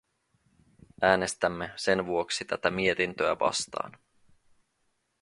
Äänestämme sen vuoksi tätä mietintöä vastaan.